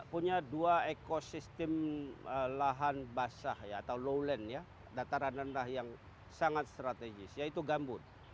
punya dua ekosistem lahan basah ya atau low land ya dataran rendah yang sangat strategis yaitu gambut